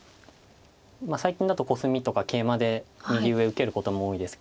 最近だとコスミとかケイマで右上受けることも多いですけれども。